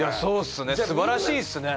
すばらしいっすね。